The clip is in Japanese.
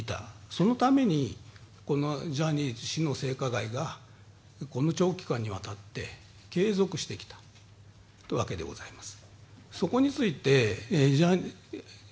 そのために、このジャニー氏の性加害がこの長期間にわたって継続してきたわけでございます。